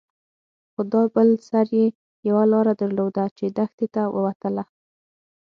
خو دا بل سر يې يوه لاره درلوده چې دښتې ته وتله.